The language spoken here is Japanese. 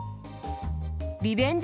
リベンジ